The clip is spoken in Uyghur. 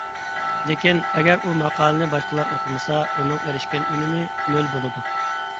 لېكىن، ئەگەر ئۇ ماقالىنى باشقىلار ئوقۇمىسا، ئۇنىڭ ئېرىشكەن ئۈنۈمى نۆل بولىدۇ.